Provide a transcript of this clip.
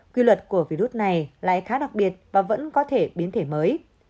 quy luật của virus này lại khá đặc biệt và vẫn có thể biến thể mới